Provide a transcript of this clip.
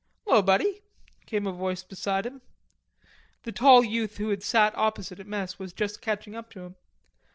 "'Lo, buddy," came a voice beside him. The tall youth who had sat opposite at mess was just catching up to him.